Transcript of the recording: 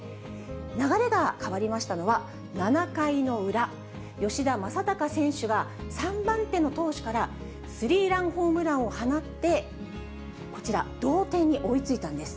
流れが変わりましたのは７回の裏、吉田正尚選手が３番手の投手からスリーランホームランを放って、こちら、同点に追いついたんです。